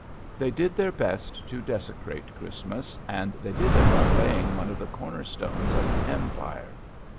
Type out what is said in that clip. They did their best to desecrate Christmas, and they did it by laying one of the cornerstones of an empire.